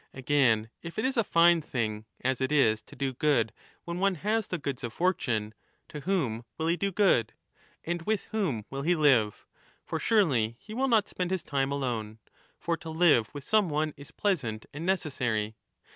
Again, if it is a fine thing, as it is, to do good when one has the goods of fortune, to whom will he do good ? And with whom will he live ? For surely he will not spend his time alone ; for to live with some one is pleasant and necessary.